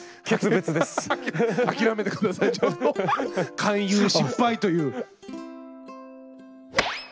勧誘失敗という。